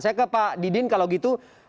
saya ke pak didin kalau gitu